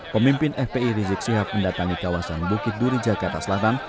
pemimpin fpi rizik sihab mendatangi kawasan bukit duri jakarta selatan